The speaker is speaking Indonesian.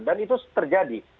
dan itu terjadi